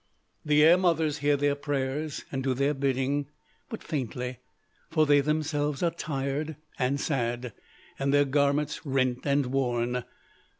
"The air mothers hear their prayers, and do their bidding: but faintly, for they themselves are tired and sad, and their garments rent and worn.